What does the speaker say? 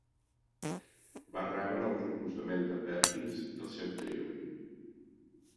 Va rebre el recolzament de Perkins i el seu trio.